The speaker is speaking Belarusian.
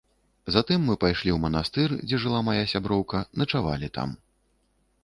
Затым мы пайшлі ў манастыр, дзе жыла мая сяброўка, начавалі там.